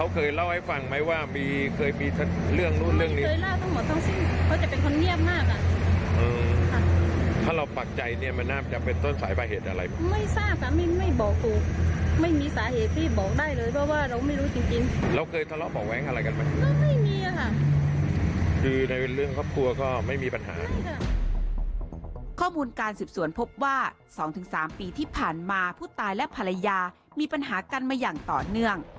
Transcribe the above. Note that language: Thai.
ข้อมูลการสืบสวนพบว่า๒๓ปีที่ผ่านมาผู้ตายและภรรยามีปัญหากันมาอย่างต่อเนื่อง